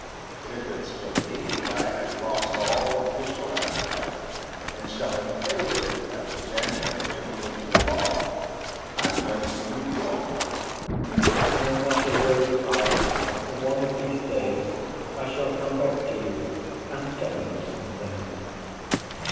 If it's for me, I have lost all official appetite, And shall have faded, after January, Into the law. I'm going to New York. BURR No matter where you are, one of these days I shall come back to you and tell you something.